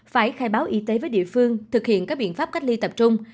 phải khai báo y tế với địa phương thực hiện các biện pháp cách ly tập trung